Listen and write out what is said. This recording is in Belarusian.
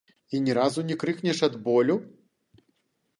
І ні разу не крыкнеш ад болю?